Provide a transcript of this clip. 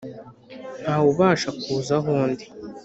Nta wubasha kuza aho ndi.